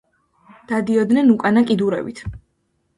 დადიოდნენ უკანა კიდურებით.